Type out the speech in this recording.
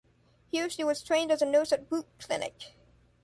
Here she was trained as a nurse at Buch Clinic.